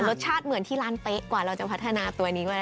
รสชาติเหมือนที่ร้านเป๊ะกว่าเราจะพัฒนาตัวนี้ไว้